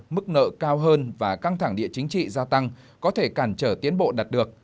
mức nợ cao hơn và căng thẳng địa chính trị gia tăng có thể cản trở tiến bộ đạt được